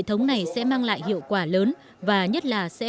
thì làm cho một số